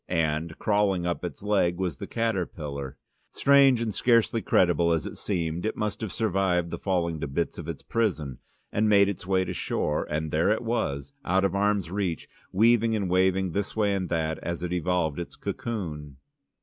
And crawling up its leg was the caterpillar. Strange and scarcely credible as it seemed, it must have survived the falling to bits of its prison, and made its way to shore, and there it was, out of arm's reach, weaving and waving this way and that as it evolved its cocoon.